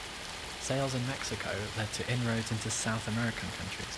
Sales in Mexico led to inroads into South American countries.